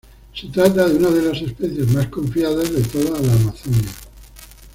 Se trata de una de las especies más "confiadas" de toda la Amazonia.